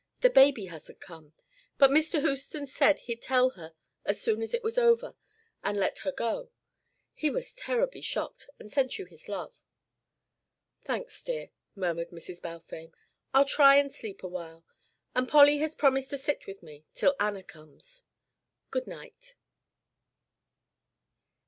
"The baby hasn't come. But Mr. Houston said he'd tell her as soon as it was over, and let her go. He was terribly shocked, and sent you his love." "Thanks, dear," murmured Mrs. Balfame. "I'll try and sleep awhile, and Polly has promised to sit with me till Anna comes. Good night."